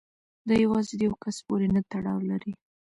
دا یوازې د یو کس پورې نه تړاو لري.